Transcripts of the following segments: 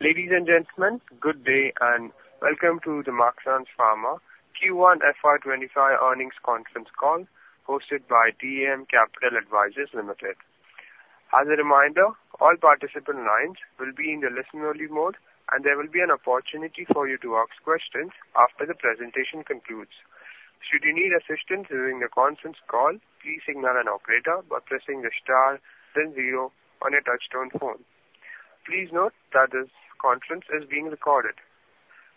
Ladies and gentlemen, good day, and welcome to the Marksans Pharma Q1 FY 2025 Earnings Conference Call, hosted by DAM Capital Advisors Limited. As a reminder, all participant lines will be in the listen-only mode, and there will be an opportunity for you to ask questions after the presentation concludes. Should you need assistance during the conference call, please signal an operator by pressing the star then zero on your touchtone phone. Please note that this conference is being recorded.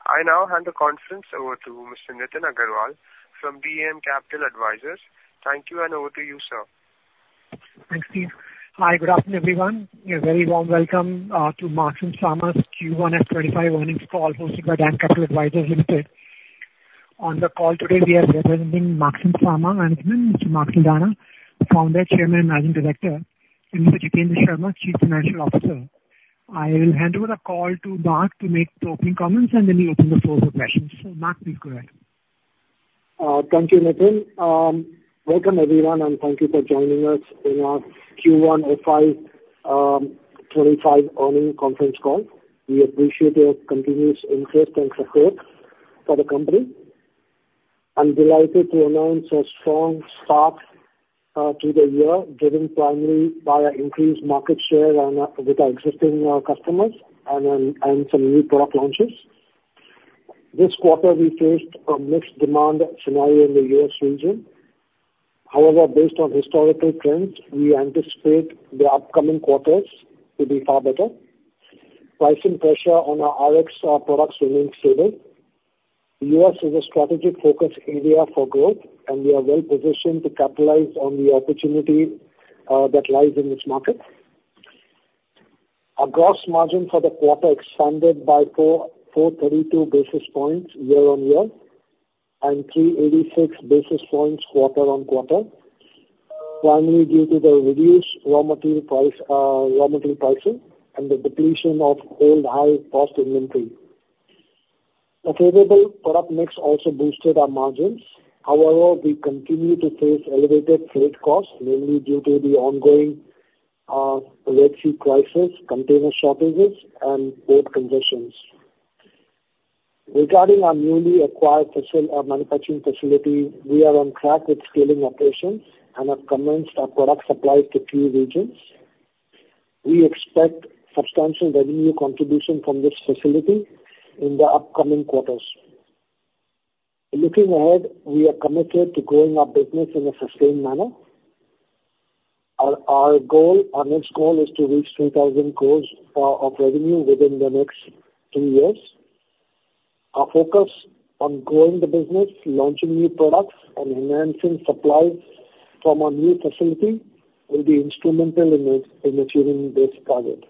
I now hand the conference over to Mr. Nitin Agarwal from DAM Capital Advisors. Thank you, and over to you, sir. Thanks, Steve. Hi, good afternoon, everyone. A very warm welcome to Marksans Pharma's Q1 FY 2025 earnings call, hosted by DAM Capital Advisors Limited. On the call today, we are representing Marksans Pharma management, Mr. Mark Saldanha, Founder, Chairman, and Managing Director, and Mr. Jitendra Sharma, Chief Financial Officer. I will hand over the call to Mark to make the opening comments, and then we open the floor for questions. So, Mark, please go ahead. Thank you, Nitin. Welcome, everyone, and thank you for joining us in our Q1 FY 2025 Earnings Conference Call. We appreciate your continuous interest and support for the company. I'm delighted to announce a strong start to the year, driven primarily by our increased market share and with our existing customers and some new product launches. This quarter, we faced a mixed demand scenario in the U.S. region. However, based on historical trends, we anticipate the upcoming quarters to be far better. Pricing pressure on our Rx products remains stable. U.S. is a strategic focus area for growth, and we are well positioned to capitalize on the opportunity that lies in this market. Our gross margin for the quarter expanded by 443.2 basis points year-on-year and 386 basis points quarter-on-quarter, primarily due to the reduced raw material price, raw material pricing and the depletion of old high cost inventory. Favorable product mix also boosted our margins. However, we continue to face elevated freight costs, mainly due to the ongoing, Red Sea crisis, container shortages, and port congestions. Regarding our newly acquired manufacturing facility, we are on track with scaling operations and have commenced our product supply to few regions. We expect substantial revenue contribution from this facility in the upcoming quarters. Looking ahead, we are committed to growing our business in a sustained manner. Our, our goal, our next goal is to reach 3,000 crores of revenue within the next two years. Our focus on growing the business, launching new products, and enhancing supplies from our new facility will be instrumental in achieving this target.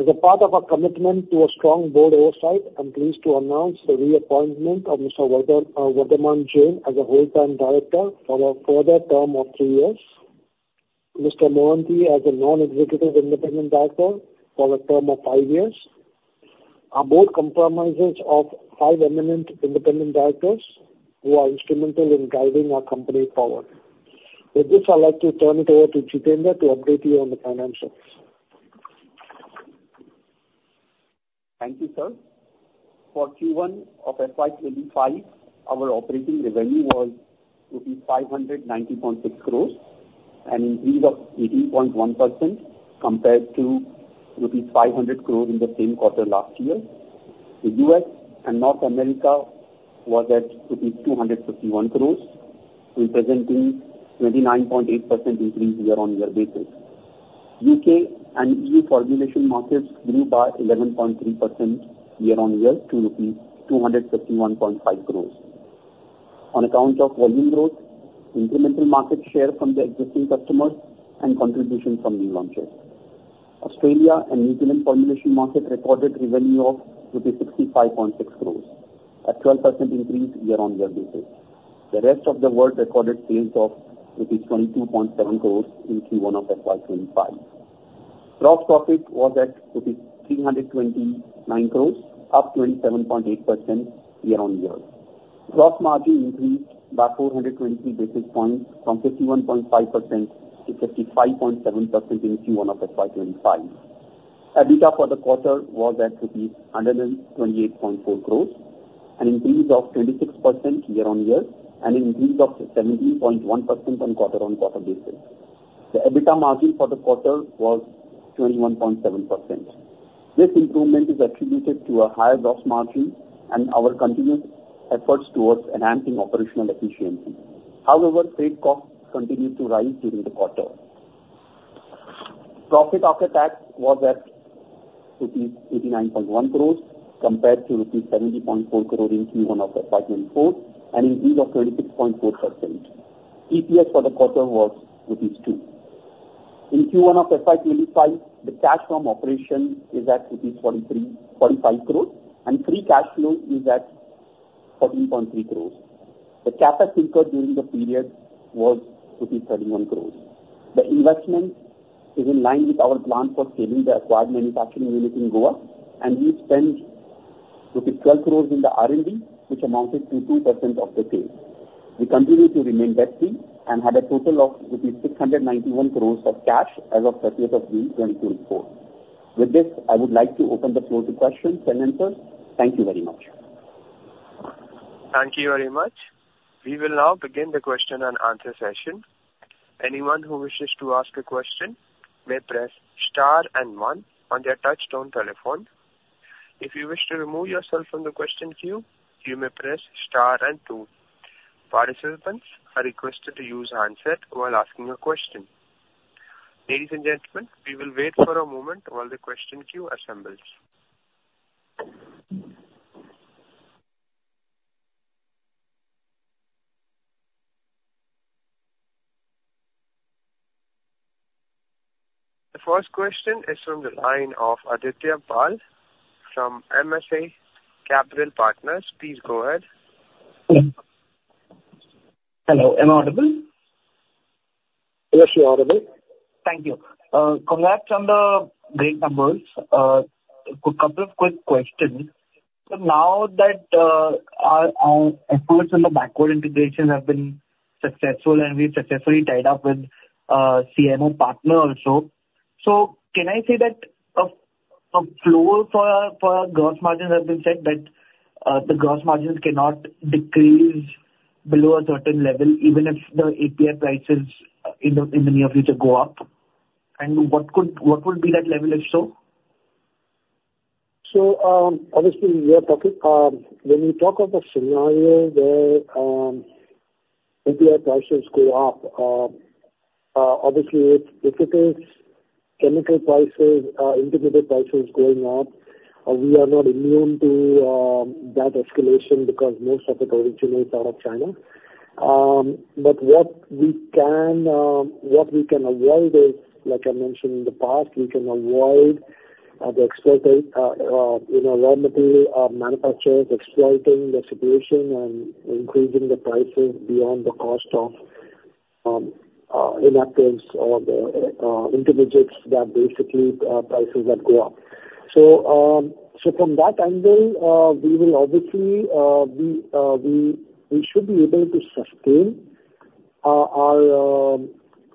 As a part of our commitment to a strong board oversight, I'm pleased to announce the reappointment of Mr. Varddhman Jain as a full-time director for a further term of two years, Mr. Mohanty as a non-executive independent director for a term of five years. Our board comprises of five eminent independent directors, who are instrumental in driving our company forward. With this, I'd like to turn it over to Jitendra to update you on the financials. Thank you, sir. For Q1 of FY 2025, our operating revenue was rupees 590.6 crores, an increase of 18.1% compared to rupees 500 crores in the same quarter last year. The U.S. and North America was at 251 crores, representing 29.8% increase year-on-year basis. U.K. and EU formulation markets grew by 11.3% year-on-year to rupees 251.5 crores. On account of volume growth, incremental market share from the existing customers and contribution from new launches. Australia and New Zealand formulation market recorded revenue of INR 65.6 crores, a 12% increase year-on-year basis. The rest of the world recorded sales of INR 22.7 crores in Q1 of FY 2025. Gross profit was at INR 329 crore, up 27.8% year-on-year. Gross margin increased by 420 basis points from 51.5% to 55.7% in Q1 of FY 2025. EBITDA for the quarter was at rupees 128.4 crore, an increase of 26% year-on-year, and an increase of 17.1% on quarter-on-quarter basis. The EBITDA margin for the quarter was 21.7%. This improvement is attributed to a higher gross margin and our continuous efforts towards enhancing operational efficiency. However, trade costs continued to rise during the quarter. Profit after tax was at rupees 89.1 crore, compared to rupees 70.4 crore in Q1 of FY 2024, an increase of 26.4%. EPS for the quarter was rupees 2. In Q1 of FY 2025, the cash from operation is at rupees 43.45 crores, and free cash flow is at 14.3 crores. The Capex incurred during the period was rupees 31 crores. The investment is in line with our plan for scaling the acquired manufacturing unit in Goa, and we spent- ...with rupees 12 crore in the R&D, which amounted to 2% of the sales. We continue to remain debt-free and had a total of roughly rupees 691 crore of cash as of June 31, 2024. With this, I would like to open the floor to questions and answers. Thank you very much. Thank you very much. We will now begin the question and answer session. Anyone who wishes to ask a question may press star and one on their touchtone telephone. If you wish to remove yourself from the question queue, you may press star and two. Participants are requested to use handset while asking a question. Ladies and gentlemen, we will wait for a moment while the question queue assembles. The first question is from the line of Adityapal from MSA Capital Partners. Please go ahead. Hello, am I audible? Yes, you're audible. Thank you. Congrats on the great numbers. A couple of quick questions. So now that our efforts in the backward integration have been successful and we've successfully tied up with CDMO partner also, so can I say that a floor for our gross margin has been set, that the gross margins cannot decrease below a certain level, even if the API prices in the near future go up? And what could-- what would be that level, if so? So, obviously, we are talking, when we talk of the scenario where, API prices go up, obviously, if, if it is chemical prices, integrated prices going up, we are not immune to, that escalation because most of it originates out of China. But what we can, what we can avoid is, like I mentioned in the past, we can avoid, the exploiters, you know, raw material, manufacturers exploiting the situation and increasing the prices beyond the cost of, inactives or the, intermediates that basically, prices that go up. So, so from that angle, we will obviously, we, we should be able to sustain, our,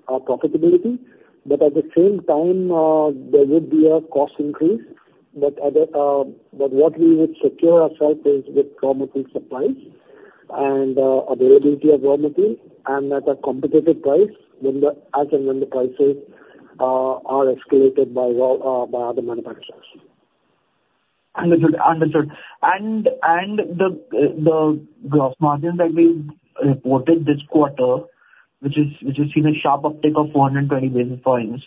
our profitability, but at the same time, there would be a cost increase. But what we would secure ourselves is with raw material supplies and availability of raw material and at a competitive price when, as and when the prices are escalated by other manufacturers. Understood, understood. And the gross margin that we reported this quarter, which has seen a sharp uptick of 420 basis points,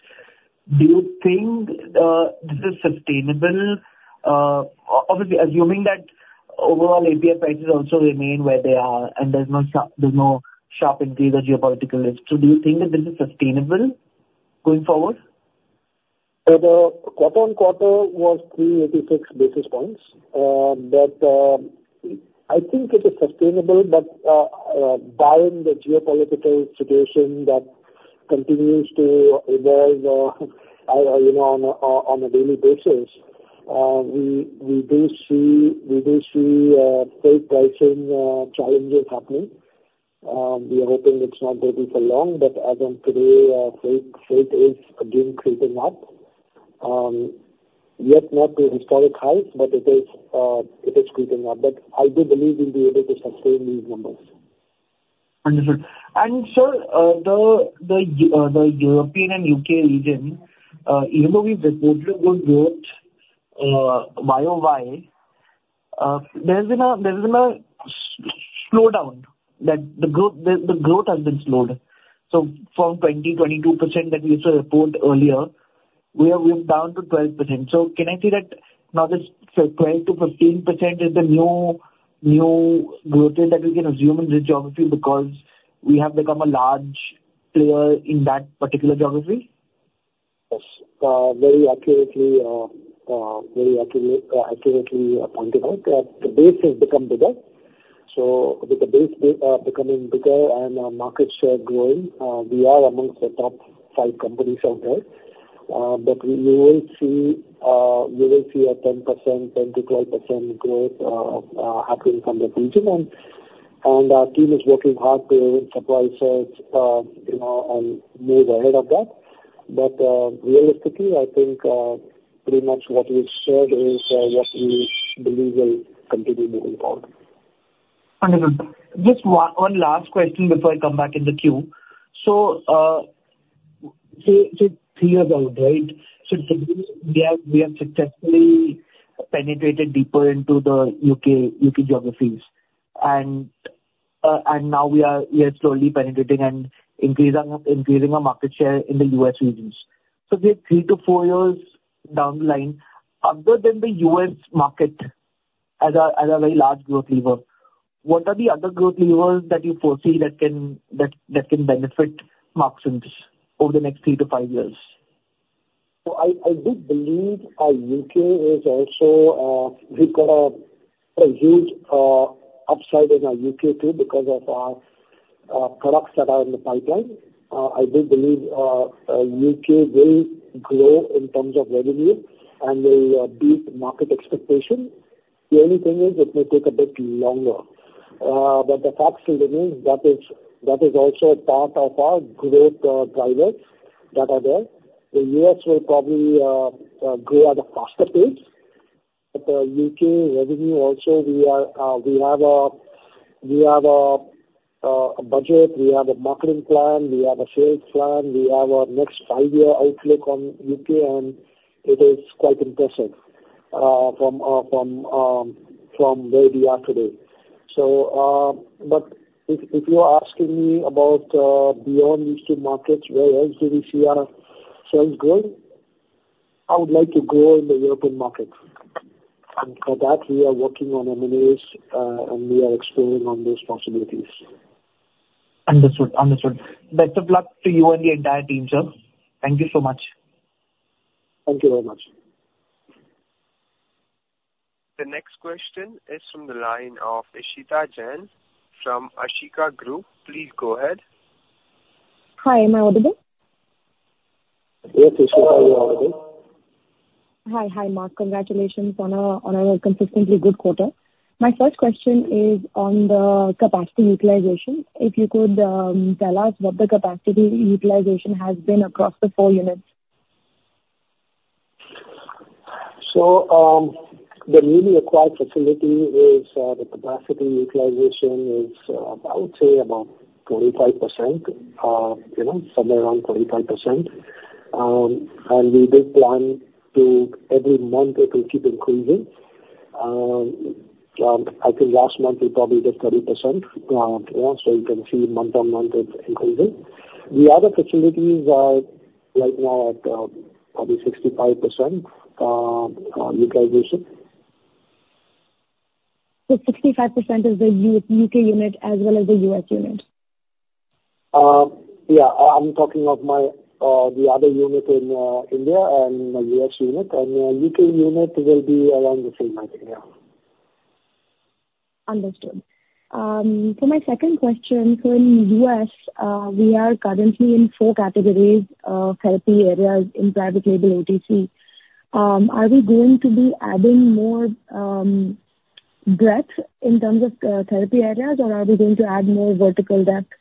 do you think this is sustainable? Obviously, assuming that overall API prices also remain where they are, and there's no sharp increase or geopolitical risk. So do you think that this is sustainable going forward? So the quarter-on-quarter was 386 basis points. But I think it is sustainable, but barring the geopolitical situation that continues to evolve, you know, on a daily basis, we do see freight pricing challenges happening. We are hoping it's not going to be for long, but as on today, freight is again creeping up. Yet not to historic highs, but it is creeping up. But I do believe we'll be able to sustain these numbers. Understood. And sir, the European and U.K. region, even though we've reported a good growth, YoY, there's been a slowdown, that the growth has been slowed. So from 22% that we used to report earlier, we are moving down to 12%. So can I say that now this 12%-15% is the new growth rate that we can assume in this geography because we have become a large player in that particular geography? Yes. Very accurately pointed out. The base has become bigger. So with the base becoming bigger and our market share growing, we are amongst the top five companies out there. But you will see a 10%, 10%-12% growth happening from the region, and our team is working hard to surprise us, you know, and move ahead of that. But realistically, I think pretty much what we've shared is what we believe will continue moving forward. Understood. Just one last question before I come back in the queue. So, say three years out, right? So we have successfully penetrated deeper into the U.K. geographies. And now we are slowly penetrating and increasing our market share in the U.S. regions. So say three to four years down the line, other than the U.S. market as a very large growth lever, what are the other growth levers that you foresee that can benefit Marksans over the next three to five years? So I do believe U.K. is also; we've got a huge upside in our U.K. too, because of our products that are in the pipeline. I do believe U.K. will grow in terms of revenue and will beat market expectations. The only thing is it may take a bit longer. But the fact still remains, that is, that is also part of our growth drivers that are there. The U.S. will probably grow at a faster pace, but U.K. revenue also we are, we have a budget, we have a marketing plan, we have a sales plan, we have our next five-year outlook on U.K., and it is quite impressive from where we are today. But if, if you are asking me about beyond these two markets, where else do we see our sales growing? I would like to grow in the European market, and for that, we are working on M&As, and we are exploring on those possibilities. Understood, understood. Better luck to you and the entire team, sir. Thank you so much. Thank you very much. The next question is from the line of Ishita Jain from Ashika Group. Please go ahead. Hi. Am I audible? Yes, Ishita, you are audible. Hi. Hi, Mark. Congratulations on a, on a consistently good quarter. My first question is on the capacity utilization. If you could, tell us what the capacity utilization has been across the four units? So, the newly acquired facility is, the capacity utilization is, I would say about 25%, you know, somewhere around 25%. And we do plan to every month it will keep increasing. I think last month it was probably just 30%, yeah, so you can see month-on-month it's increasing. The other facilities are right now at, probably 65%, utilization. 65% is the U.K. unit as well as the U.S. unit? Yeah. I'm talking of my, the other unit in India and my U.S. unit, and the U.K. unit will be around the same idea. Understood. So my second question: so in U.S., we are currently in four categories, therapy areas in private label OTC. Are we going to be adding more breadth in terms of therapy areas, or are we going to add more vertical depth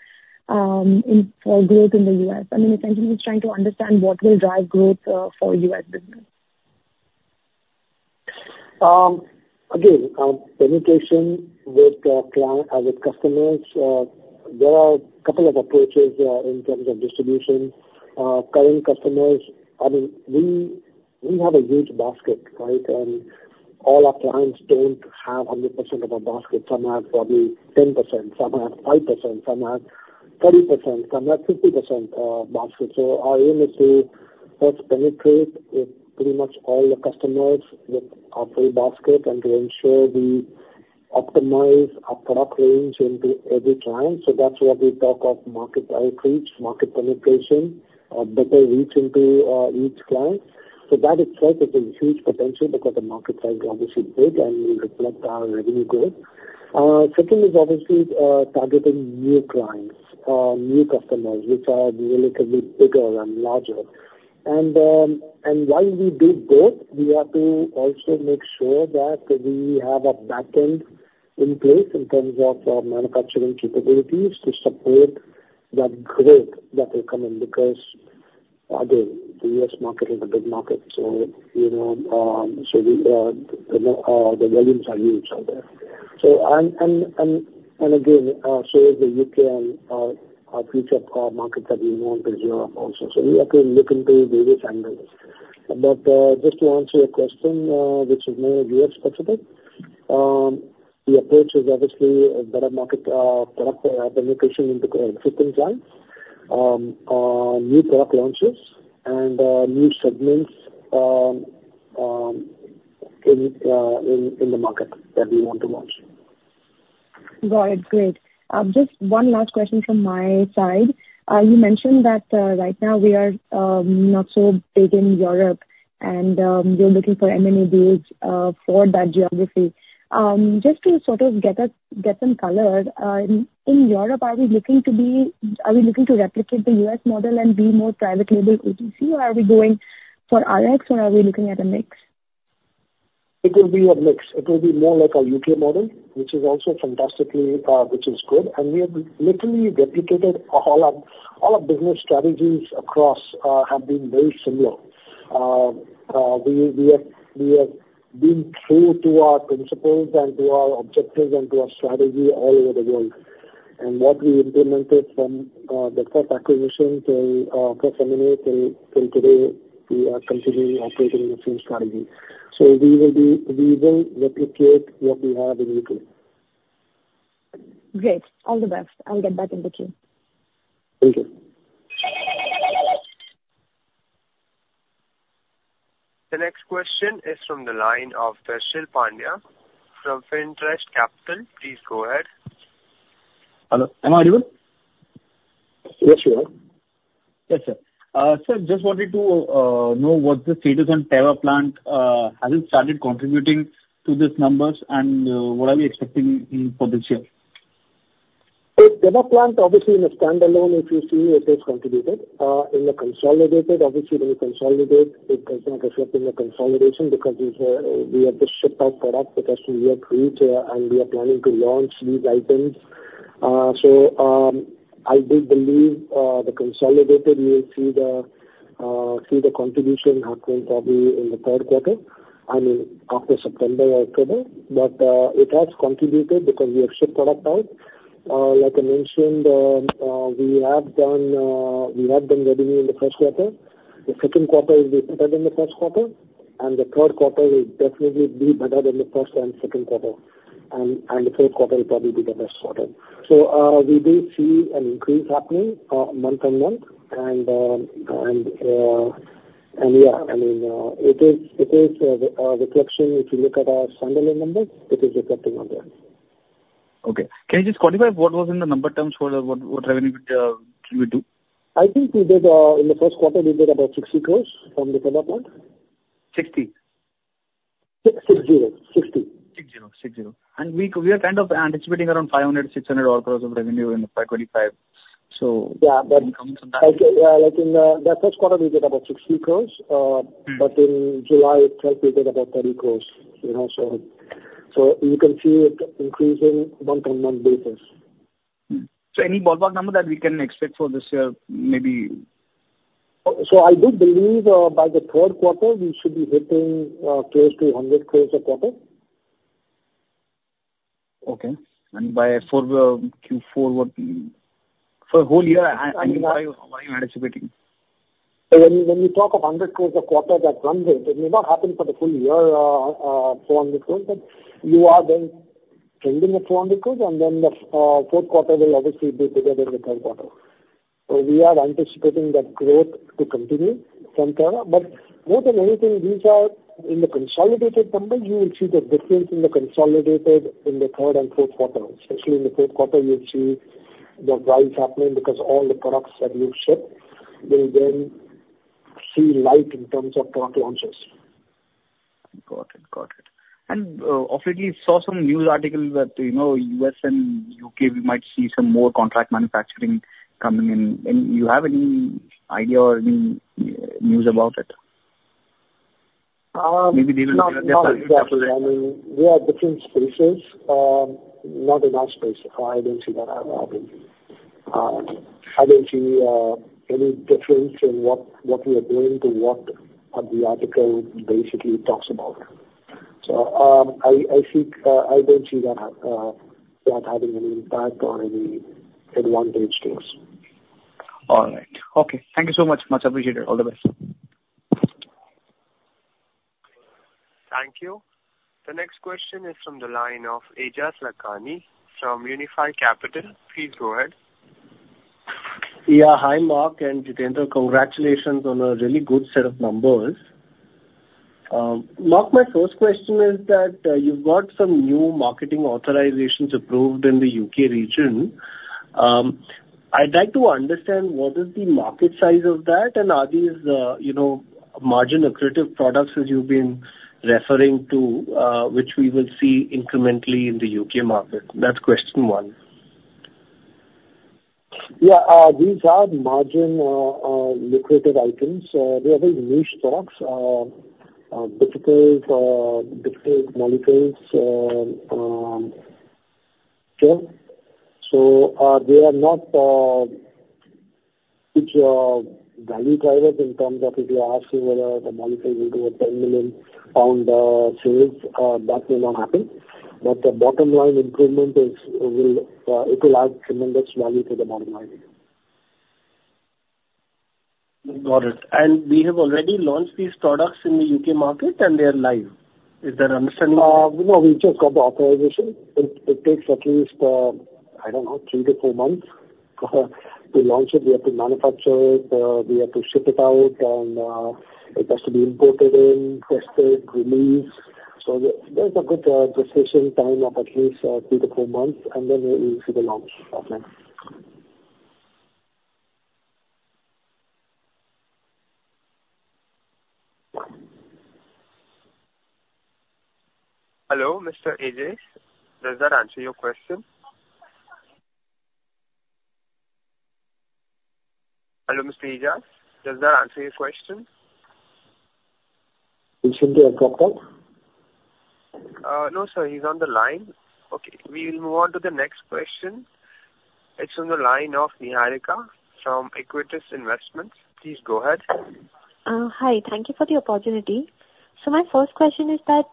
for growth in the U.S.? I mean, essentially just trying to understand what will drive growth for U.S. business. Again, penetration with customers, there are a couple of approaches in terms of distribution. Current customers, I mean, we have a huge basket, right? And all our clients don't have 100% of our basket. Some have probably 10%, some have 5%, some have 30%, some have 50% basket. So our aim is to first penetrate with pretty much all the customers with our full basket and to ensure we optimize our product range into every client. So that's why we talk of market outreach, market penetration, better reach into each client. So that itself is a huge potential because the market size is obviously big, and it will reflect our revenue growth. Second is obviously targeting new clients, new customers, which are relatively bigger and larger. And while we do both, we have to also make sure that we have a back end in place in terms of manufacturing capabilities to support the growth that will come in. Because, again, the U.S. market is a big market, so, you know, so the volumes are huge out there. So again, so is the U.K. and our future markets that we want to grow also. So we have to look into various angles. But just to answer your question, which is more U.S. specific, the approach is obviously a better market product penetration into existing clients, new product launches and new segments in the market that we want to launch. Got it. Great. Just one last question from my side. You mentioned that right now we are not so big in Europe and you're looking for M&As for that geography. Just to sort of get some color in Europe, are we looking to be... Are we looking to replicate the U.S. model and be more private label OTC, or are we going for Rx, or are we looking at a mix? It will be a mix. It will be more like our U.K. model, which is also fantastically, which is good, and we have literally replicated all our, all our business strategies across, have been very similar. We have been true to our principles and to our objectives and to our strategy all over the world. And what we implemented from the first acquisition till first M&A till today, we are continuing operating the same strategy. So we will be we will replicate what we have in U.K. Great. All the best. I'll get back in the queue. Thank you. The next question is from the line of Darshil Pandya from FINTEREST CAPITAL. Please go ahead. Hello, am I audible?... Yes, sure. Yes, sir. Sir, just wanted to know what the status on Teva plant has it started contributing to these numbers, and what are we expecting in for this year? The Teva plant, obviously, in a standalone, if you see, it has contributed. In the consolidated, obviously, when you consolidate, it does not reflect in the consolidation because these, we have just shipped out product, it has to reach, and we are planning to launch these items. So, I do believe, the consolidated, you will see the, see the contribution happening probably in the third quarter, I mean, after September or October. But, it has contributed because we have shipped product out. Like I mentioned, we have done, we have done revenue in the first quarter. The second quarter will be better than the first quarter, and the third quarter will definitely be better than the first and second quarter, and the fourth quarter will probably be the best quarter. So, we do see an increase happening month-on-month, and yeah, I mean, it is a reflection. If you look at our standalone numbers, it is reflecting on there. Okay. Can you just quantify what was in the number terms for what, what revenue it, it will do? I think we did, in the first quarter, we did about 60 crores from the Teva plant. Sixty? 6, 6, 0. 60. 60. 60. And we are kind of anticipating around 500 crorecrore-INR 600 all across of revenue in the FY 2025, so- Yeah, but- In terms of that. Like, like in the first quarter, we did about 60 crore, Mm-hmm. But in July, it helped we get about 30 crore, you know, so, so you can see it increasing month-on-month basis. So any ballpark number that we can expect for this year, maybe? I do believe, by the third quarter, we should be hitting close to 100 crore a quarter. Okay. And by fourth, Q4, what... For a whole year, are you anticipating? When you talk of 100 crores a quarter, that's one thing. It may not happen for the full year, four hundred crores, but you are then trending at INR 400 crores, and then the fourth quarter will obviously be bigger than the third quarter. So we are anticipating that growth to continue from Teva. But more than anything, these are in the consolidated numbers, you will see the difference in the consolidated in the third and fourth quarter. Especially in the fourth quarter, you'll see the rise happening because all the products that we've shipped will then see light in terms of product launches. Got it. Got it. And obviously, saw some news article that, you know, U.S. and U.K., we might see some more contract manufacturing coming in. And you have any idea or any news about it? Um- Maybe they will- Not, not exactly. I mean, there are different spaces. Not in our space. I don't see that happening. I don't see any difference in what we are doing to what the article basically talks about. So, I think I don't see that having any impact or any advantage to us. All right. Okay, thank you so much. Much appreciated. All the best. Thank you. The next question is from the line of Aejas Lakhani from Unifi Capital. Please go ahead. Yeah. Hi, Mark and Jitendra. Congratulations on a really good set of numbers. Mark, my first question is that you've got some new marketing authorizations approved in the U.K. region. I'd like to understand, what is the market size of that, and are these, you know, margin-accretive products which you've been referring to, which we will see incrementally in the U.K. market? That's question one. Yeah, these are margin accretive items. They are very niche products, difficult molecules, sure. So, they are not huge value drivers in terms of if you're asking whether the molecule will do a 10 million pound sales, that may not happen. But the bottom line improvement is, will, it will add tremendous value to the bottom line. Got it. And we have already launched these products in the U.K. market, and they are live. Is that understanding- No, we just got the authorization. It takes at least, I don't know, 3-4 months to launch it. We have to manufacture it, we have to ship it out, and it has to be imported in, tested, released. So there's a good decision time of at least 3-4 months, and then we will see the launch happening. Hello, Mr. Aejas. Does that answer your question? Hello, Mr. Aejas. Does that answer your question? It should be accepted. No, sir, he's on the line. Okay, we will move on to the next question. It's on the line of Niharika from Aequitas Investments. Please go ahead. Hi. Thank you for the opportunity. So my first question is that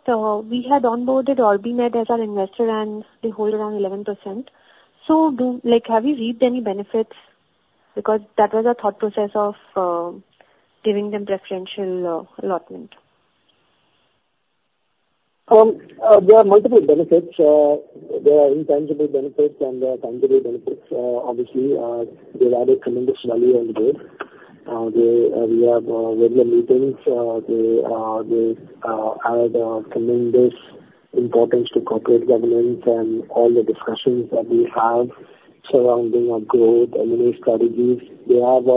we had onboarded OrbiMed as our investor, and they hold around 11%. So, like, have you reaped any benefits? Because that was our thought process of giving them preferential allotment. There are multiple benefits. There are intangible benefits and there are tangible benefits. Obviously, they've added tremendous value on the board. They, we have regular meetings. They add a tremendous importance to corporate governance and all the discussions that we have surrounding our growth and M&A strategies. We have,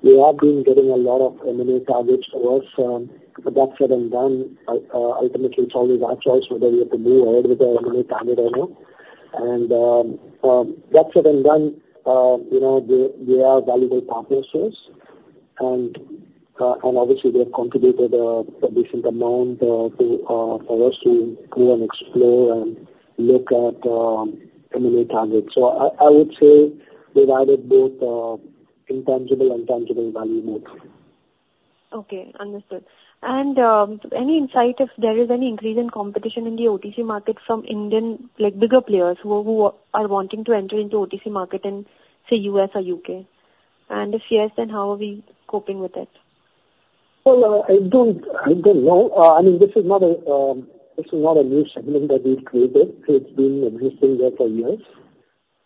we have been getting a lot of M&A targets to us, but that said and done, ultimately it's always our choice whether we have to move ahead with the M&A target or no. And, that said and done, you know, they, they are valuable partners to us, and, and obviously they have contributed, a decent amount, to, for us to go and explore and look at, M&A targets. So I would say they've added both intangible and tangible value more. Okay, understood. Any insight if there is any increase in competition in the OTC market from Indian, like, bigger players who are wanting to enter into OTC market in, say, U.S. or U.K.? If yes, then how are we coping with it? Well, I don't know. I mean, this is not a new segment that we've created. It's been existing there for years.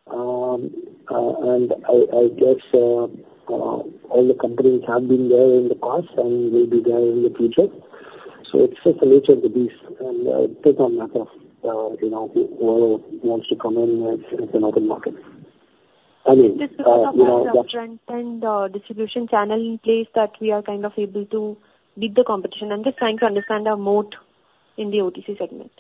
And I guess all the companies have been there in the past and will be there in the future. So it's just the nature of the beast, and it does not matter if you know who wants to come in. It's another market. I mean, you know- Just because of our strength and, distribution channel in place, that we are kind of able to beat the competition. I'm just trying to understand our moat in the OTC segment.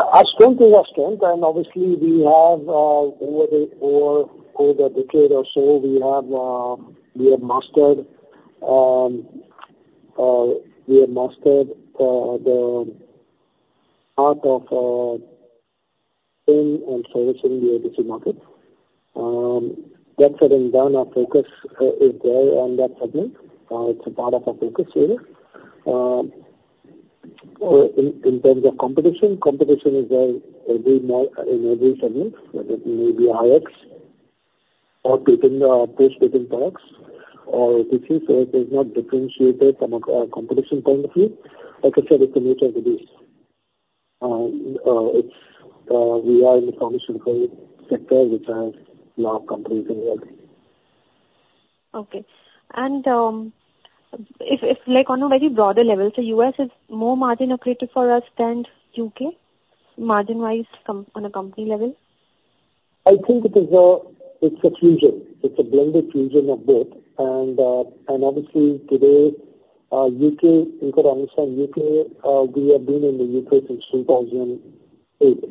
Our strength is our strength, and obviously we have over a decade or so, we have mastered the art of selling and servicing the OTC market. That said and done, our focus is very on that segment. It's a part of our focus area. In terms of competition, competition is very in every segment, whether it may be Rx or within prescription products or OTC. So it is not differentiated from a competition point of view. Like I said, it's the nature of the beast. It's, we are in the pharmaceutical sector, which has large companies in the world. Okay. And, if, like, on a very broader level, so U.S. is more margin accretive for us than U.K., margin-wise com... On a company level? I think it is a, it's a fusion. It's a blended fusion of both. And, and obviously today, U.K., you've got to understand, U.K., we have been in the U.K. since 2008.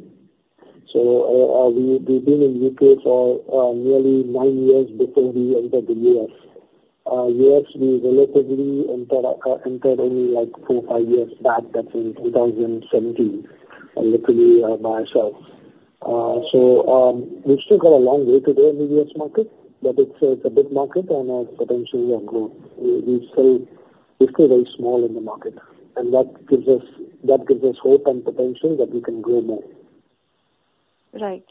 So, we, we've been in U.K. for, nearly nine years before we entered the U.S. U.S., we relatively entered, entered only, like, four, five years back, that's in 2017, literally, myself. so, we've still got a long way to go in the U.S. market, but it's a, it's a big market and has potentially a growth. We, we still, we're still very small in the market, and that gives us, that gives us hope and potential that we can grow more. Right.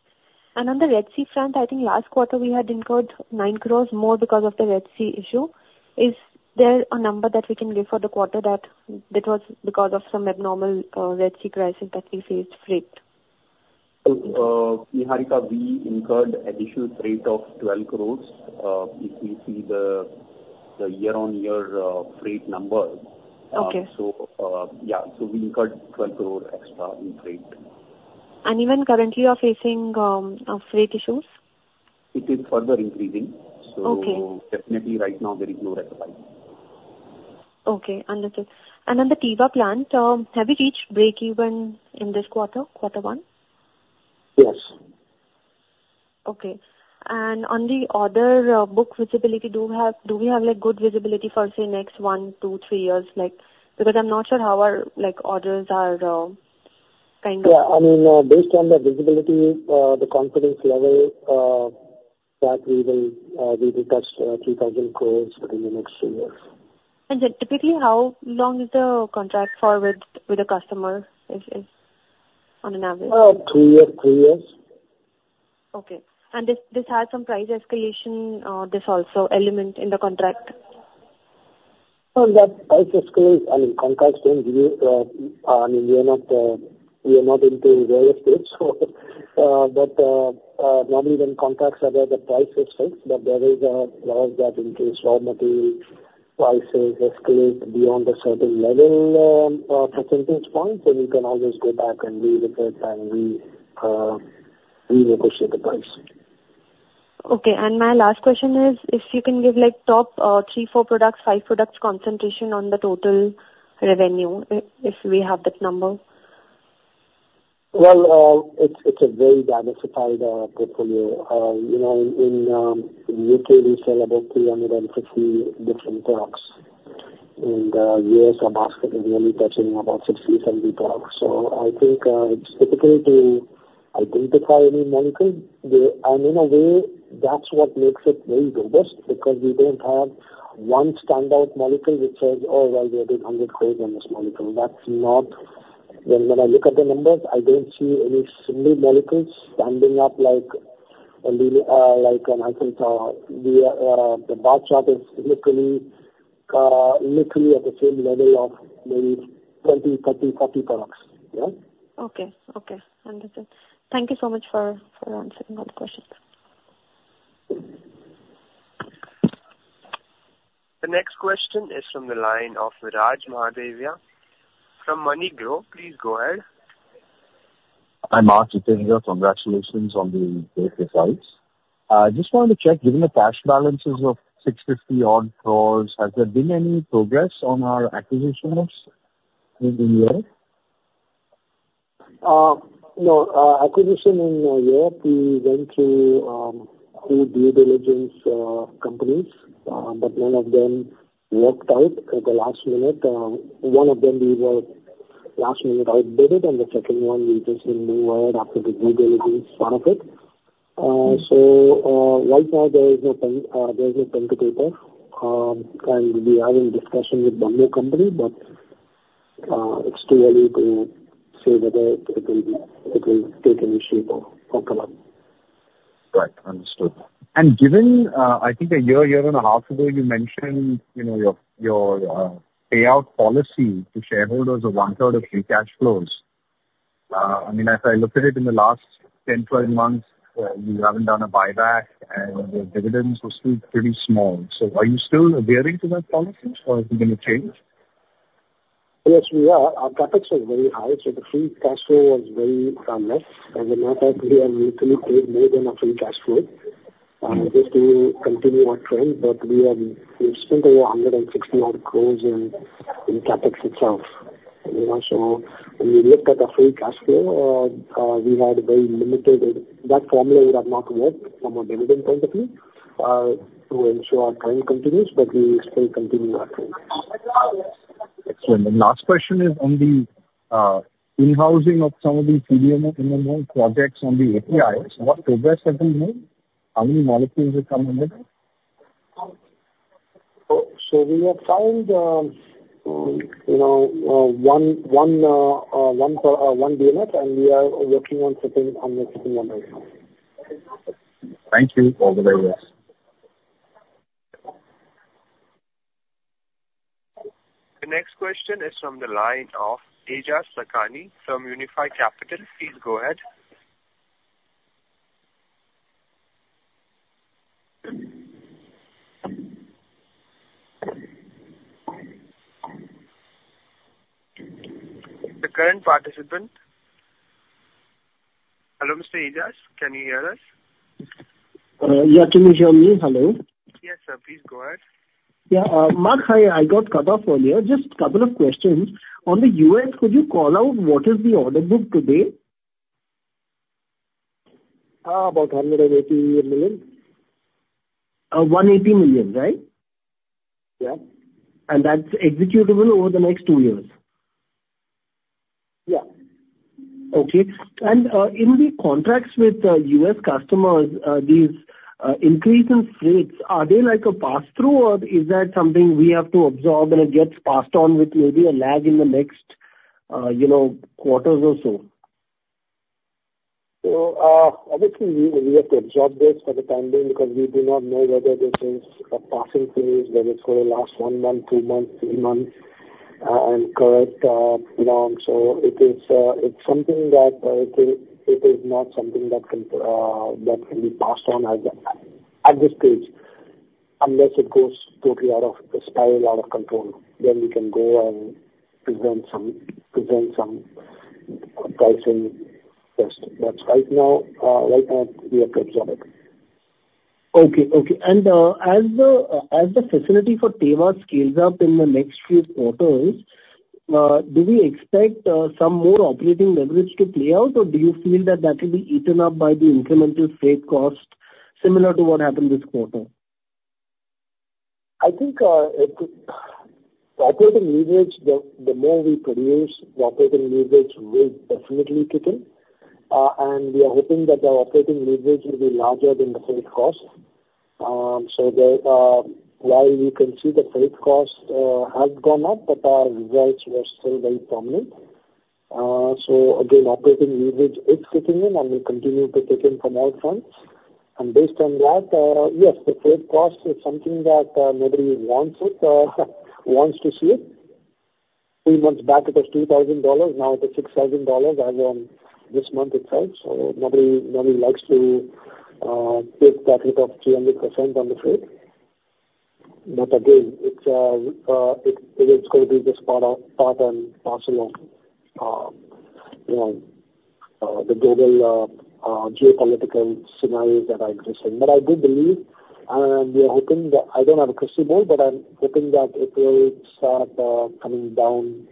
And on the Red Sea front, I think last quarter we had incurred 9 crore more because of the Red Sea issue. Is there a number that we can give for the quarter that that was because of some abnormal, Red Sea crisis that we faced freight? Niharika, we incurred additional freight of 12 crore, if you see the year-on-year freight numbers. Okay. So, yeah, so we incurred 12 crore extra in freight. Even currently you are facing freight issues? It is further increasing. Okay. Definitely right now there is no respite. Okay, understood. On the Teva plant, have you reached break even in this quarter, quarter one? Yes. Okay. And on the order book visibility, do we have, like, good visibility for, say, next one, two, three years? Like, because I'm not sure how our, like, orders are, kind of- Yeah, I mean, based on the visibility, the confidence level, that we will, we will touch 3,000 crore within the next three years. Then, typically, how long is the contract for with a customer? On average? Two years, three years. Okay. And this, this has some price escalation, this also element in the contract? That price escalates, I mean, contracts don't give, I mean, we are not, we are not into real estate, so, but, normally when contracts are there, the price is fixed. But there is a clause that increase raw material, prices escalate beyond a certain level, percentage point, then you can always go back and revisit and renegotiate the price. Okay, and my last question is, if you can give, like, top three, four products, five products, concentration on the total revenue, if we have that number. Well, it's a very diversified portfolio. You know, in U.K., we sell about 350 different products. In the U.S., our basket is nearly touching about 60, 70 products. So I think, it's difficult to identify any molecule. And in a way, that's what makes it very robust, because we don't have one standout molecule which says, "Oh, well, we did 100 crore on this molecule." That's not. When I look at the numbers, I don't see any single molecule standing up like a leader, like an Eiffel Tower. The bar chart is literally at the same level of maybe 20, 30, 40 products. Yeah? Okay. Okay, understood. Thank you so much for, for answering all the questions. The next question is from the line of Viraj Mahadevia from MoneyGrow. Please go ahead. Hi Mark. Congratulations on the great results. I just wanted to check, given the cash balances of 650 crore, has there been any progress on our acquisitions in the year? No. Acquisition in the year, we went through two due diligence companies, but none of them worked out at the last minute. One of them we were last-minute outbid, and the second one we just in midway after the due diligence, part of it. So, right now there is no pen to paper. And we are in discussion with one more company, but it's too early to say whether it will take any shape or come up. Right. Understood. And given, I think a year and a half ago, you mentioned, you know, your payout policy to shareholders of one third of free cash flows. I mean, as I look at it, in the last 10-12 months, you haven't done a buyback, and the dividends were still pretty small. So are you still adhering to that policy or is it going to change? Yes, we are. Our CapEx was very high, so the free cash flow was very less. And the market, we have literally paid more than a free cash flow, just to continue our trend. But we have, we've spent over 160-odd crores in CapEx itself. You know, so when we look at the free cash flow, we had very limited... That formula would have not worked from a dividend point of view, to ensure our trend continues, but we still continue our trend. Excellent. The last question is on the in-housing of some of the CDMO projects on the APIs. What progress have you made? How many molecules have come in there? So we have signed, you know, one for one DMF, and we are working on the second one right now. Thank you. All the best. The next question is from the line of Aejas Lakhani from Unifi Capital. Please go ahead. The current participant... Hello, Mr. Aejas, can you hear us? Yeah, can you hear me? Hello. Yes, sir, please go ahead. Yeah, Mark, hi, I got cut off earlier. Just a couple of questions. On the U.S., could you call out what is the order book today? About INR 180 million crore. INR 180 million crore, right? Yeah. That's executable over the next two years? Yeah. Okay. And, in the contracts with, U.S. customers, these increase in rates, are they like a pass-through, or is that something we have to absorb and it gets passed on with maybe a lag in the next, you know, quarters or so? So, obviously, we have to absorb this for the time being, because we do not know whether this is a passing phase, whether it's going to last one month, two months, three months, and correct, you know. So it is, it's something that it is not something that can be passed on at this stage, unless it goes totally out of the spiral, out of control, then we can go and present some pricing first. But right now, we have to absorb it. Okay. Okay. And, as the facility for Teva scales up in the next few quarters, do we expect some more operating leverage to play out, or do you feel that that will be eaten up by the incremental freight cost, similar to what happened this quarter? I think, the operating leverage, the more we produce, the operating leverage will definitely kick in. And we are hoping that the operating leverage will be larger than the freight cost. So, while you can see the freight cost has gone up, but our rates are still very prominent. So again, operating leverage is kicking in, and will continue to kick in from all fronts. And based on that, yes, the freight cost is something that nobody wants it, wants to see it. Three months back, it was $2,000, now it is $6,000 as on this month itself. So nobody, nobody likes to take that hit of 300% on the freight. But again, it's, it is going to be just part and parcel of, you know, the global geopolitical scenarios that are existing. But I do believe, and we are hoping that—I don't have a crystal ball, but I'm hoping that it will start coming down,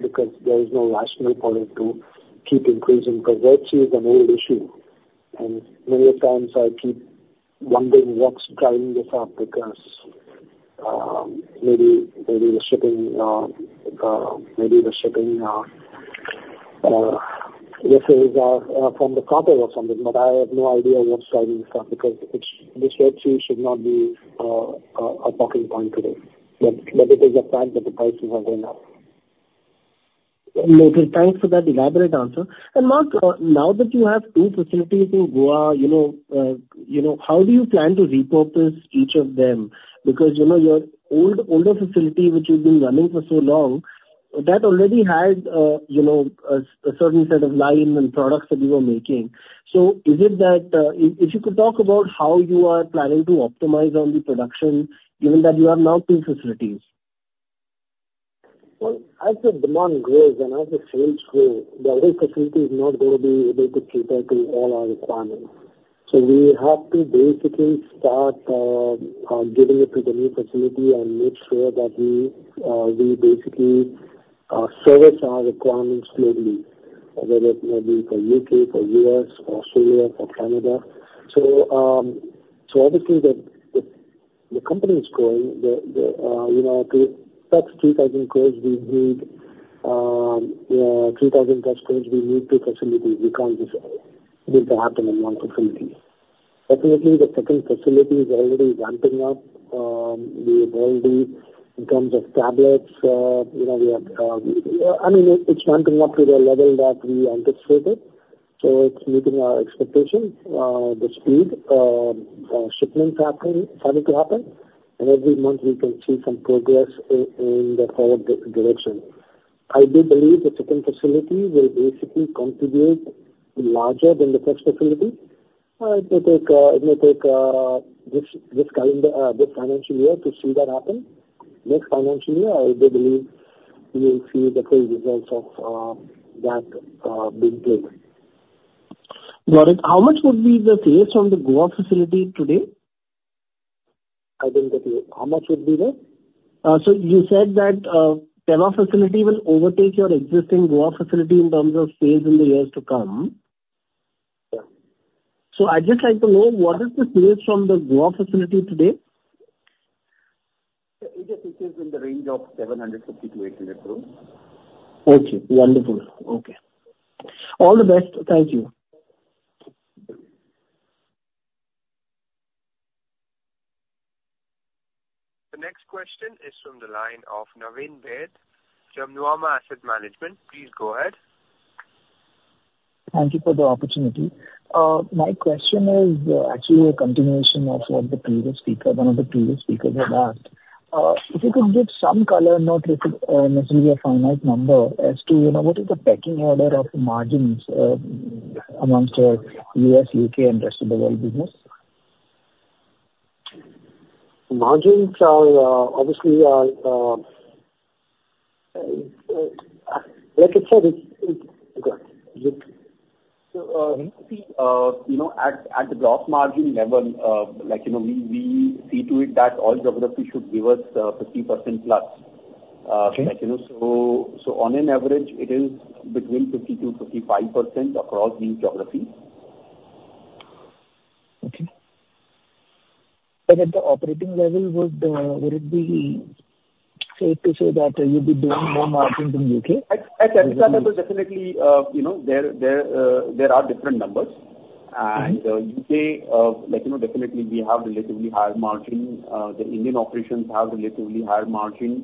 because there is no rational point to keep increasing, because that is an old issue. And many a times I keep wondering what's driving this up, because maybe the shipping issues are from the port or something, but I have no idea what's driving this up, because it's, this rate here should not be a talking point today. But it is a fact that the prices have gone up. ... Okay, thanks for that elaborate answer. And Mark, now that you have two facilities in Goa, you know, you know, how do you plan to repurpose each of them? Because, you know, your old, older facility, which you've been running for so long, that already had, you know, a certain set of line and products that you were making. So is it that... If you could talk about how you are planning to optimize on the production, given that you have now two facilities. Well, as the demand grows and as the sales grow, the other facility is not gonna be able to cater to all our requirements. So we have to basically start giving it to the new facility and make sure that we basically service our requirements globally, whether it may be for U.K., U.S., Australia, for Canada. So, obviously, the company is growing. You know, to touch 3,000 crore, we need 3,000 customers, we need two facilities. We can't just make that happen in one facility. Definitely, the second facility is already ramping up the volume in terms of tablets. You know, I mean, it's ramping up to the level that we anticipated, so it's meeting our expectations. The speed, shipments happening, starting to happen, and every month we can see some progress in the forward direction. I do believe the second facility will basically contribute larger than the first facility. It may take, it may take, this, this calendar, this financial year to see that happen. Next financial year, I do believe we will see the full results of, that, being played. Got it. How much would be the sales from the Goa facility today? I didn't get you. How much would be the...? So you said that, Verna facility will overtake your existing Goa facility in terms of sales in the years to come. Yeah. I'd just like to know, what is the sales from the Goa facility today? It is, it is in the range of INR 750 crores-INR 800 crores. Okay, wonderful. Okay. All the best. Thank you. The next question is from the line of Naveen Baid from Nuvama Asset Management. Please go ahead. Thank you for the opportunity. My question is actually a continuation of what the previous speaker, one of the previous speakers had asked. If you could give some color, not necessarily a finite number, as to, you know, what is the pecking order of the margins among U.S., U.K., and rest of the world business? Margins are obviously, like I said, it's, you know, at the gross margin level, like, you know, we see to it that all geography should give us 50%+. Okay. Like, you know, so on an average, it is between 50%-55% across each geography. Okay. But at the operating level, would, would it be safe to say that you'd be doing more margin in the UK? At country level, definitely, you know, there are different numbers. Mm-hmm. And U.K., like, you know, definitely we have relatively higher margin. The Indian operations have relatively higher margin.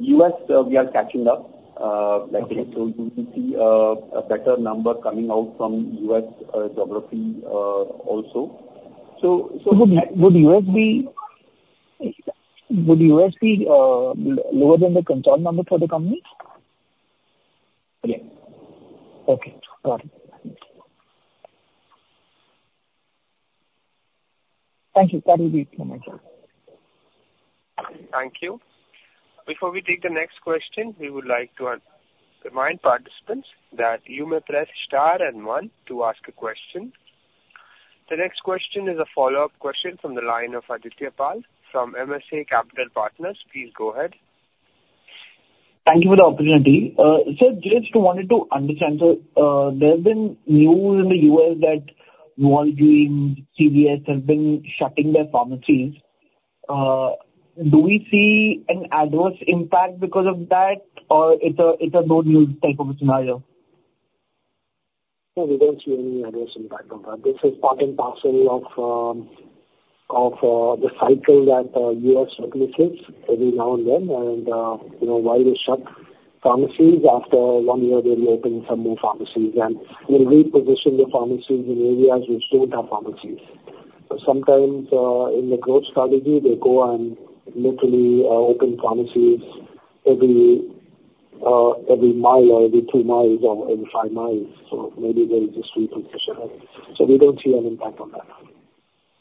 U.S., we are catching up. Okay. - like, so you will see, a better number coming out from U.S. geography, also. So, so- Would U.S. be lower than the concerned number for the company? Yeah. Okay, got it. Thank you. That will be it for my side. Thank you. Before we take the next question, we would like to remind participants that you may press star and one to ask a question. The next question is a follow-up question from the line of Adityapal from MSA Capital Partners. Please go ahead. Thank you for the opportunity. Sir, just wanted to understand, so, there have been news in the U.S. that Walgreens, CVS have been shutting their pharmacies. Do we see an adverse impact because of that, or it's a, it's a good news type of scenario? No, we don't see any adverse impact of that. This is part and parcel of the cycle that U.S. witnesses every now and then. And you know, while they shut pharmacies, after one year, they'll be opening some more pharmacies, and we'll reposition the pharmacies in areas which don't have pharmacies. But sometimes in the growth strategy, they go and literally open pharmacies every mile or every two miles or every five miles. So maybe they'll just reposition it. So we don't see an impact on that.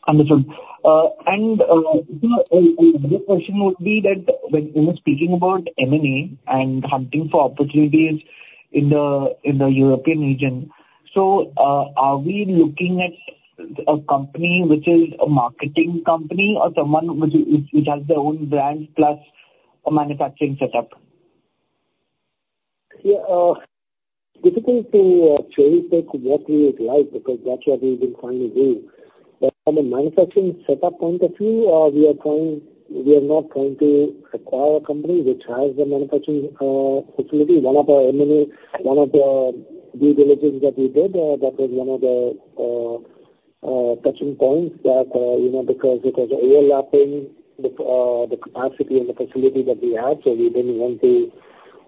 Understood. And the question would be that when you were speaking about M&A and hunting for opportunities in the European region, so, are we looking at a company which is a marketing company or someone which has their own brand plus a manufacturing setup? Yeah, difficult to cherry-pick what we would like, because that's what we will finally do. But from a manufacturing setup point of view, we are trying. We are not trying to acquire a company which has the manufacturing facility. One of our M&A, one of the due diligence that we did, that was one of the touching points that, you know, because it was overlapping the capacity and the facility that we had, so we didn't want to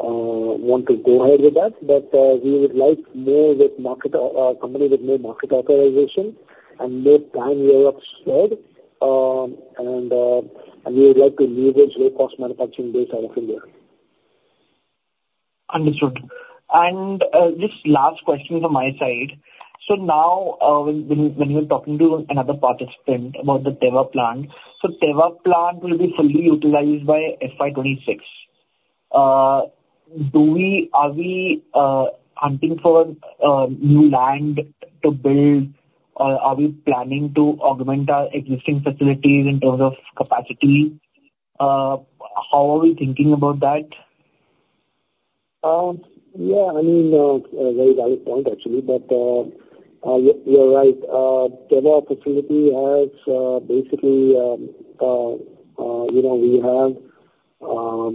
want to go ahead with that. But we would like more with market company with more market authorization and more time we have spread. And we would like to leverage low-cost manufacturing base out of India. Understood. Just last question from my side. So now, when you were talking to another participant about the Teva plant, so Teva plant will be fully utilized by FY 2026. Do we-- Are we hunting for new land to build, or are we planning to augment our existing facilities in terms of capacity? How are we thinking about that? Yeah, I mean, a very valid point, actually, but you're right. Teva facility has basically, you know,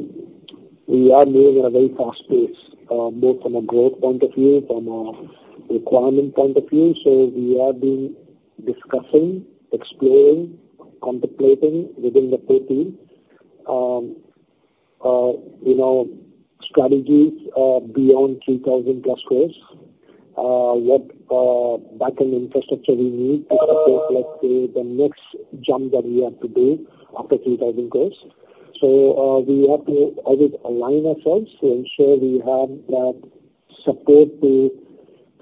we are moving at a very fast pace, both from a growth point of view, from a requirement point of view. So we have been discussing, exploring, contemplating within the top team, you know, strategies beyond 3,000+ crore. What backend infrastructure we need to support, let's say, the next jump that we have to do after 3,000 crore. So we have to always align ourselves to ensure we have that support to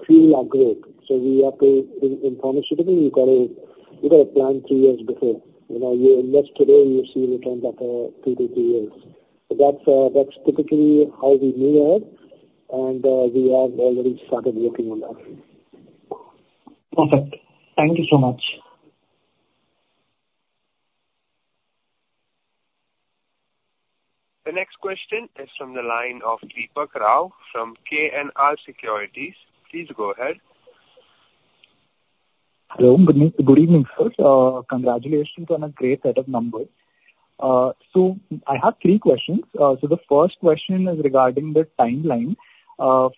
fuel our growth. So we have to, in pharmaceutical, you gotta, you gotta plan two years before. You know, you invest today, you see returns after two to three years. That's, that's typically how we move ahead, and we have already started working on that. Perfect. Thank you so much. The next question is from the line of Deepak Rao from KNR Securities. Please go ahead. Hello. Good evening, sir. Congratulations on a great set of numbers. So I have three questions. So the first question is regarding the timeline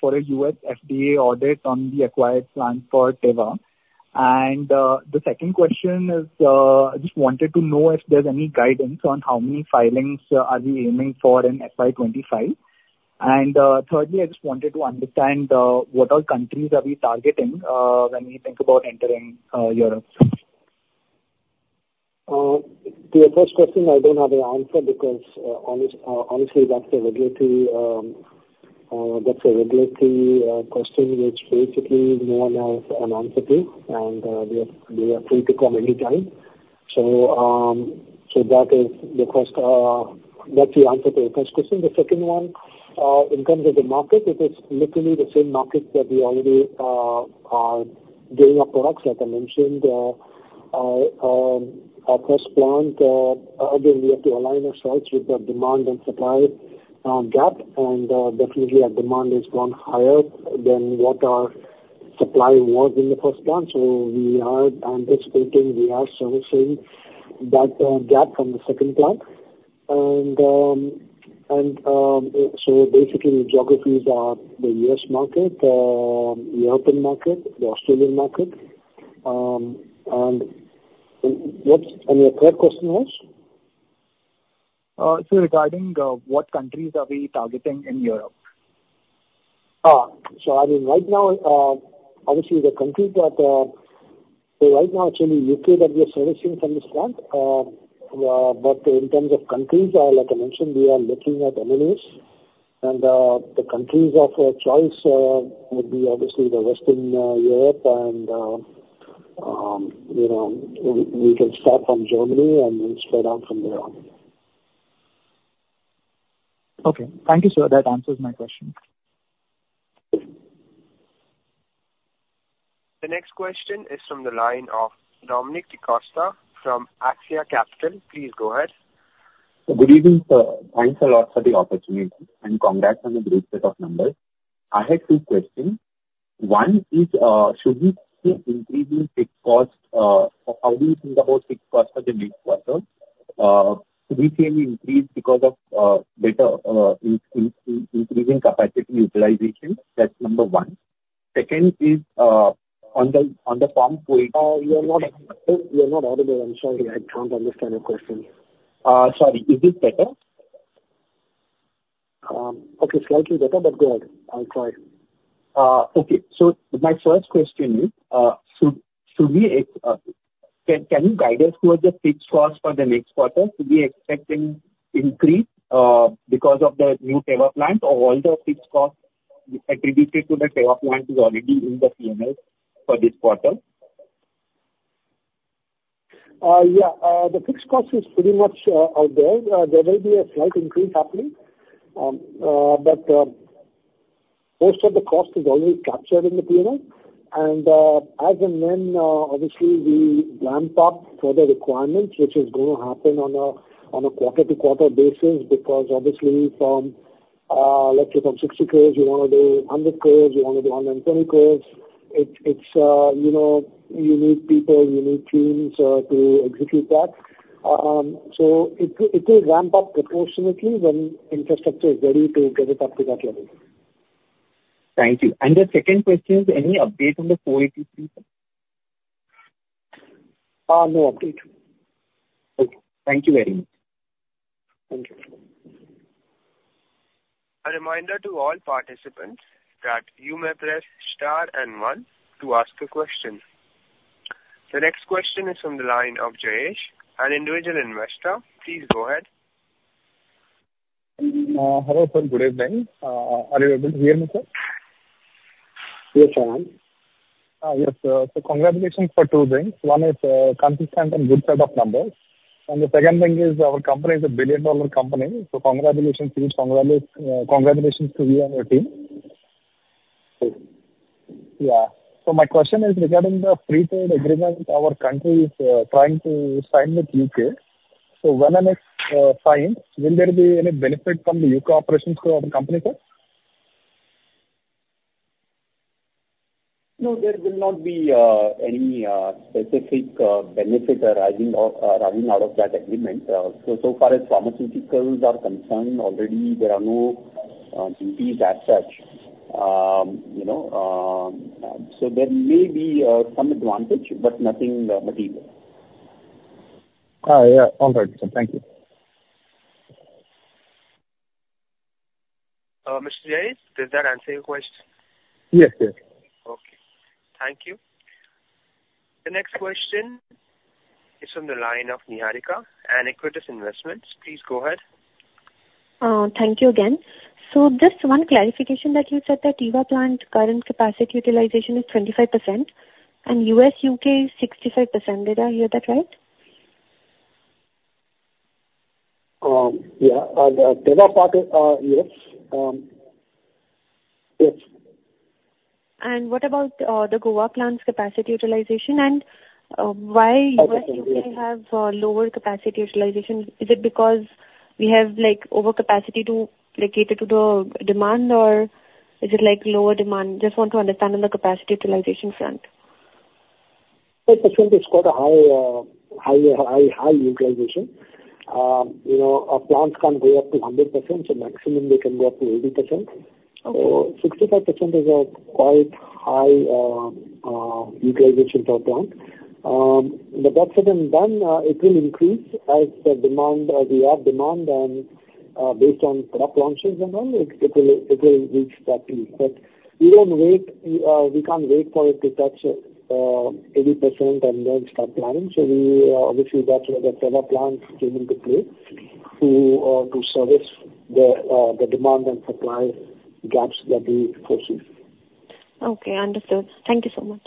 for a U.S. FDA audit on the acquired plant for Teva. And the second question is, I just wanted to know if there's any guidance on how many filings are we aiming for in FY 2025? And thirdly, I just wanted to understand what all countries are we targeting when we think about entering Europe? To your first question, I don't have an answer because, honestly, that's a regulatory question which basically no one has an answer to, and they are free to come anytime. So that is the first... That's the answer to your first question. The second one, in terms of the market, it is literally the same market that we already are delivering our products. Like I mentioned, our first plant, again, we have to align ourselves with the demand and supply gap. And definitely our demand has grown higher than what our supply was in the first plant. So we are anticipating we are servicing that gap from the second plant. So basically the geographies are the U.S. market, the European market, the Australian market. And what's... And your third question was? Sir, regarding what countries are we targeting in Europe? Ah! So, I mean, right now, obviously the countries that... So right now, it's only UK that we are servicing from this plant. But in terms of countries, like I mentioned, we are looking at M&As, and the countries of choice would be obviously the Western Europe and, you know, we can start from Germany and then spread out from there on. Okay. Thank you, sir. That answers my question. The next question is from the line of Dominic D'Costa from Axia Capital. Please go ahead. Good evening, sir. Thanks a lot for the opportunity, and congrats on the great set of numbers. I had two questions. One is, should we see increasing fixed costs, how do you think about fixed costs for the next quarter? Should we see any increase because of better increasing capacity utilization? That's number one. Second is, on the farm point- You are not, you are not audible. I'm sorry, I can't understand the question. Sorry, is this better? Okay, slightly better, but go ahead. I'll try. Okay. So my first question is, can you guide us towards the fixed costs for the next quarter? Should we expect any increase because of the new Teva plant, or all the fixed costs attributed to the Teva plant is already in the P&L for this quarter? Yeah. The fixed cost is pretty much out there. There may be a slight increase happening, but most of the cost is already captured in the P&L. And as and when, obviously, we ramp up further requirements, which is going to happen on a quarter-to-quarter basis. Because obviously from, let's say from 60 crores, you want to do 100 crores, you want to do 120 crores, it's, you know, you need people, you need teams to execute that. So it will ramp up proportionately when infrastructure is ready to get it up to that level. ... Thank you. And the second question, is there any update on the 483 audit? No update. Okay. Thank you very much. Thank you. A reminder to all participants that you may press star and one to ask a question. The next question is from the line of Jayesh, an individual investor. Please go ahead. Hello, sir. Good evening. Are you able to hear me, sir? Yes, I am. Yes. So congratulations for two things. One is, consistent and good set of numbers, and the second thing is our company is a billion-dollar company, so congratulations. Please congratulate, congratulations to you and your team. Thank you. Yeah. So my question is regarding the free trade agreement our country is trying to sign with U.K. So when it's signed, will there be any benefit from the U.K. operations to our company, sir? No, there will not be any specific benefit arising or arising out of that agreement. So far as pharmaceuticals are concerned, already there are no duties as such. You know, so there may be some advantage, but nothing material. Yeah, all right, sir. Thank you. Mr. Jayesh, does that answer your question? Yes, yes. Okay. Thank you. The next question is from the line of Niharika from Aequitas Investments. Please go ahead. Thank you again. Just one clarification that you said that Teva plant current capacity utilization is 25%, and U.S., U.K. is 65%. Did I hear that right? Yeah, the Teva part, yes. Yes. What about the Goa plant's capacity utilization? Why- Okay. U.S., U.K. have lower capacity utilization? Is it because we have, like, overcapacity to, like, cater to the demand, or is it, like, lower demand? Just want to understand on the capacity utilization front. 30% is quite a high utilization. You know, our plants can't go up to 100%, so maximum they can go up to 80%. Okay. So 65% is quite high utilization per plant. But that said and done, it will increase as the demand we have demand and based on product launches and all, it will reach that peak. But we won't wait, we can't wait for it to touch 80% and then start planning. So we obviously, that's where the Teva plant came into play, to service the demand and supply gaps that we foresee. Okay, understood. Thank you so much.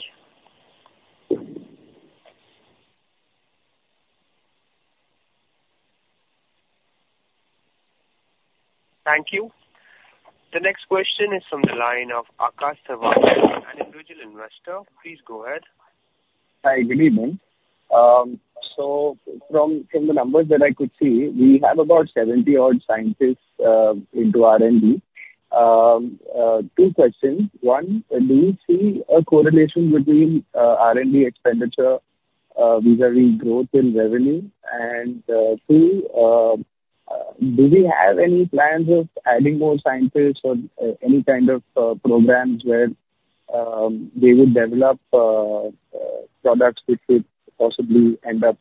Thank you. Thank you. The next question is from the line of Akash Sawant, an individual investor. Please go ahead. Hi, good evening. So from, from the numbers that I could see, we have about 70-odd scientists into R&D. Two questions. One, do you see a correlation between R&D expenditure vis-a-vis growth in revenue? And two, do we have any plans of adding more scientists or any kind of programs where they would develop products which would possibly end up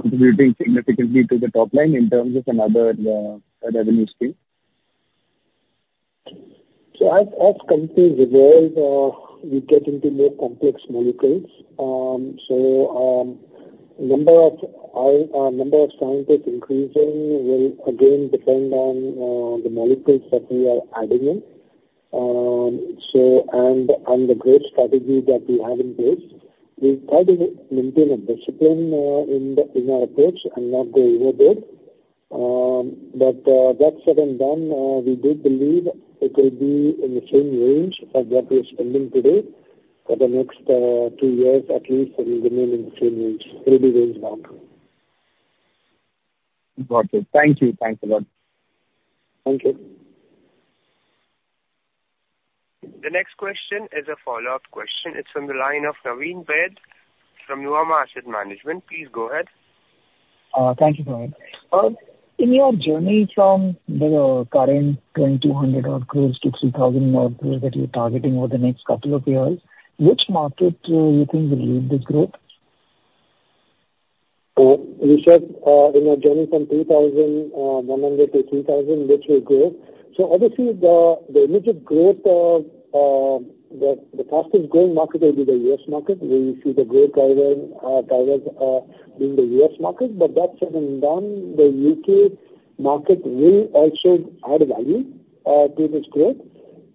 contributing significantly to the top line in terms of another revenue stream? So as companies evolve, we get into more complex molecules. Number of scientists increasing will again depend on the molecules that we are adding in. And the growth strategy that we have in place, we try to maintain a discipline in our approach and not go overboard. But that said and done, we do believe it will be in the same range as what we are spending today. For the next two years at least, it will remain in the same range, maybe range down. Got it. Thank you. Thanks a lot. Thank you. The next question is a follow-up question. It's from the line of Naveen Baid from Nuvama Asset Management. Please go ahead. Thank you for that. In your journey from the current 2,200-odd crore to 3,000-odd crore that you're targeting over the next couple of years, which market, you think will lead this growth? You said, in our journey from 2,100 crore to 3,000 crore, which will grow? So obviously, the image of growth, the fastest growing market will be the U.S. market, where you see the growth drivers being the U.S. market. But that said and done, the U.K. market will also add value to this growth.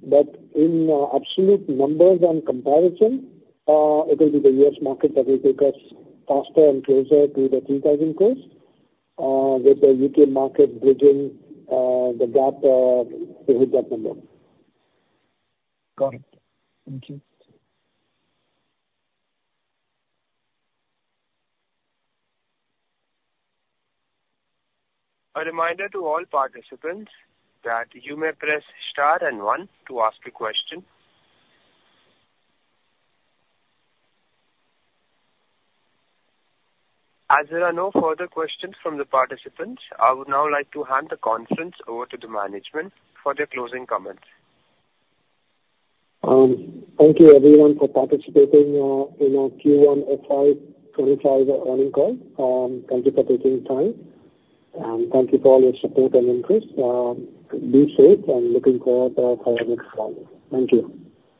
But in absolute numbers and comparison, it will be the U.S. market that will take us faster and closer to the 3,000 crore, with the U.K. market bridging the gap to hit that number. Got it. Thank you. A reminder to all participants that you may press star and one to ask a question. As there are no further questions from the participants, I would now like to hand the conference over to the management for their closing comments. Thank you everyone for participating in our Q1 FY 2025 earnings call. Thank you for taking time, and thank you for all your support and interest. Be safe, I'm looking forward for our next call. Thank you.